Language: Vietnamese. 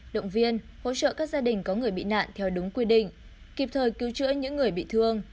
động viên hỗ trợ các gia đình có người bị nạn theo đúng quy định kịp thời cứu chữa những người bị thương